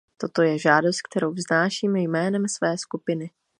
Toto je žádost, kterou vznáším jménem své skupiny.